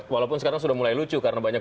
walaupun sekarang sudah mulai lucu karena banyak